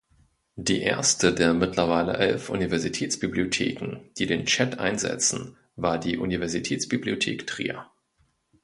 Die erste der mittlerweile elf Universitätsbibliotheken, die den Chat einsetzen, war die Universitätsbibliothek Trier.